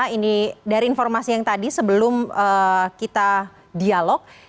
ini dari informasi yang tadi sebelum kita dialog